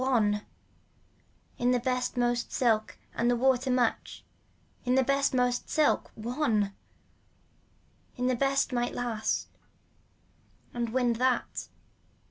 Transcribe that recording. One. In the best most silk and water much, in the best most silk. One. In the best might last and wind that.